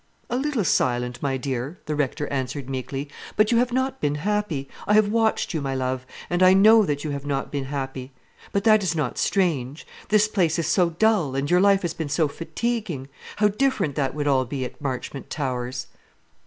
"A little silent, my dear," the Rector answered meekly; "but you have not been happy. I have watched you, my love, and I know you have not been happy. But that is not strange. This place is so dull, and your life has been so fatiguing. How different that would all be at Marchmont Towers!"